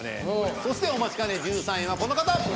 そしてお待ちかね１３位はこの方。